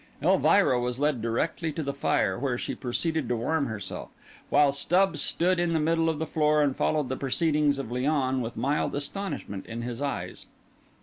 Elvira was led directly to the fire, where she proceeded to warm herself, while Stubbs stood in the middle of the floor and followed the proceedings of Léon with mild astonishment in his eyes.